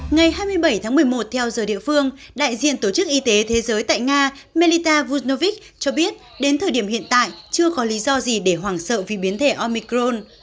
ngày hai mươi bảy tháng một mươi một theo giờ địa phương đại diện tổ chức y tế thế giới tại nga melita vunovich cho biết đến thời điểm hiện tại chưa có lý do gì để hoảng sợ vì biến thể omicron